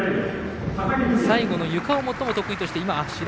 最後のゆかを最も得意として。